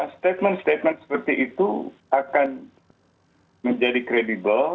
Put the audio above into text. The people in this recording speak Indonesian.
statement statement seperti itu akan menjadi kredibel